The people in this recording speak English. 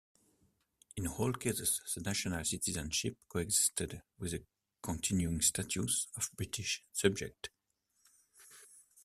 In all cases, the national citizenship co-existed with the continuing status of British subject.